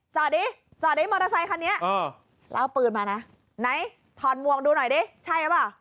จอดดิจอดดิมอเตอร์ไซคันนี้แล้วเอาปืนมานะไหนถอนมวงดูหน่อยดิใช่หรือเปล่า